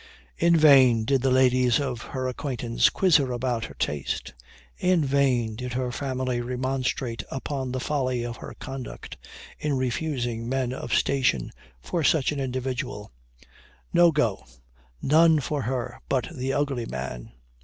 In vain did the ladies of her acquaintance quiz her about her taste in vain did her family remonstrate upon the folly of her conduct, in refusing men of station for such an individual no go! none for her but the ugly man!